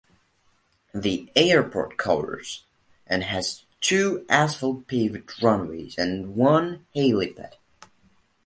The airport covers and has two asphalt-paved runways and one helipad.